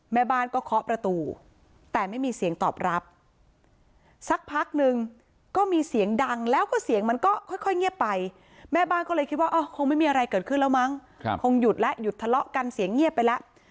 แม่บ้านก็เคาะประตูแต่ไม่มีเสียงตอบรับสักพักนึงก็มีเสียงดังแล้วก็เสียงมันก็ค่อยเงียบไปแม่บ้านก็เลยคิดว่าคงไม่มีอะไรเกิดขึ้นแล้วมั้งคงหยุดแล้วหยุดทะเลาะกันเสียงเงียบไปแล้ว